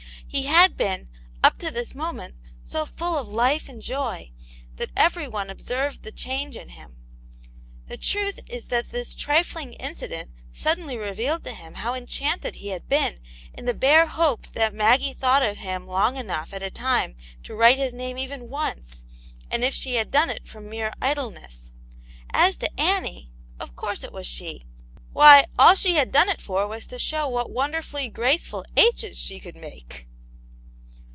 He had been, up to this moment, so full of life and joy, that every one observed the change in him. The truth is that this trifling incident suddenly revealed to him how enchanted he had been in the bare hope that Maggie thought of him long enough at a time to write his name even once, and if she had done it from mere idleness. As to Annie — of course it was she — why, all she had done it for was to show what wonderfully graceful H's she could make